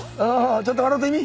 ちょっと笑うてみ。